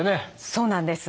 そうなんです。